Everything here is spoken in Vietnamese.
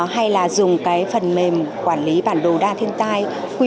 hay là dùng cái phần mềm quản lý bản đồ đa thiên tai